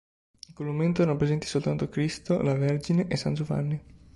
In quel momento erano presenti soltanto Cristo, la Vergine e San Giovanni.